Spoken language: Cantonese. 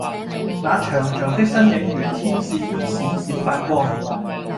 那長長的身影如天使般閃閃發光